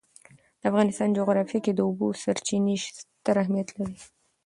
د افغانستان جغرافیه کې د اوبو سرچینې ستر اهمیت لري.